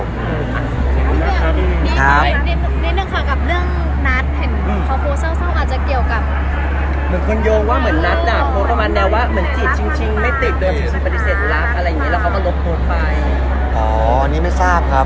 เป็นเรื่องภาร์ตเรื่องนัด๖๖๒๖อะไร